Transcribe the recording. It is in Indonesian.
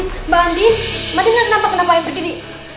mbak andi kenapa kenapa main begini